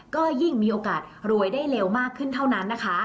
ก็ยิ่งมีโอกาสรวยได้เร็วมากขึ้นเท่านั้นนะคะ